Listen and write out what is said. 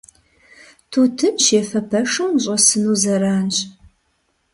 Тутын щефэ пэшым ущӀэсыну зэранщ.